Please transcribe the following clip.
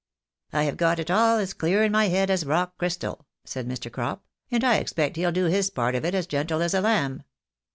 " I have got it all as clear in my head as rock crystal," said Mr. Crop, " and I expect he'll do his part of it as gentle as a lamb.